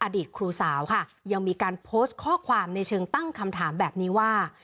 อดีตครูสาวค่ะยังมีการโพสต์ข้อความในเชิงตั้งคำถามแบบนี้ว่า